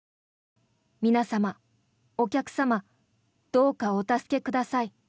皆様、お客様どうかお助けください。